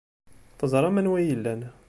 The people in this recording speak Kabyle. Teẓra anwa ay iyi-ilan.